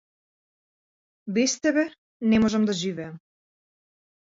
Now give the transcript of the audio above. Без тебе не можам да живеам.